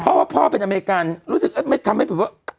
เพราะว่าพ่อเป็นอเมริกันรู้สึกไม่ทำให้แบบว่า